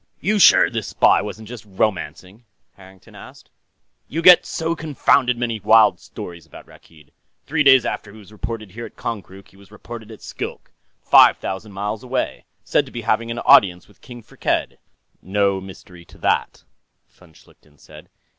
"You sure this spy wasn't just romancing?" Harrington asked. "You get so confounded many wild stories about Rakkeed. Three days after he was reported here at Konkrook, he was reported at Skilk, five thousand miles away, said to be having an audience with King Firkked." "No mystery to that," von Schlichten said.